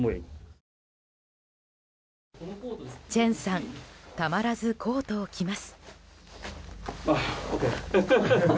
チェンさんたまらずコートを着ます。